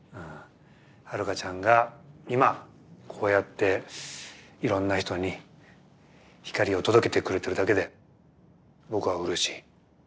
ハルカちゃんが今こうやっていろんな人に光を届けてくれてるだけで僕はうれしい。